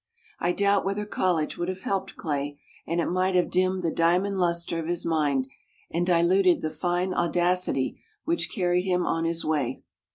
I doubt whether college would have helped Clay, and it might have dimmed the diamond luster of his mind, and diluted that fine audacity which carried him on his way.